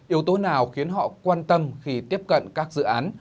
yếu tố nào khiến họ quan tâm khi tiếp cận các dự án